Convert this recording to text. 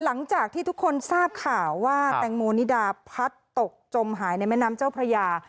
หลังจากที่ทุกคนทราบข่าวว่าแตงโมนิดาพัดตกจมหายในแม่น้ำเจ้าพระยา